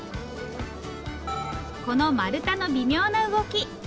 この丸太の微妙な動き。